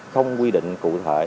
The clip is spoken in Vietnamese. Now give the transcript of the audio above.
không quy định cụ thể